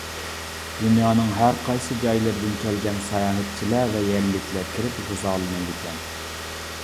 دۇنيانىڭ ھەرقايسى جايلىرىدىن كەلگەن ساياھەتچىلەر ۋە يەرلىكلەر كىرىپ غىزالىنىدىكەن.